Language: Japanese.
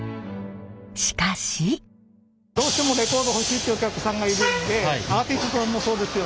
しかし！どうしてもレコード欲しいっていうお客さんがいるんでアーティストさんもそうですよね。